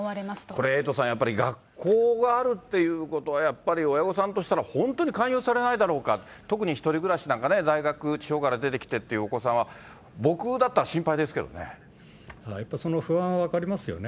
これ、エイトさん、やっぱり学校があるっていることはやっぱり、親御さんとしたら本当に勧誘されないだろうか、特に１人暮らしなんかね、大学、地方から出てきてっていうお子さんは、やっぱりその不安は分かりますよね。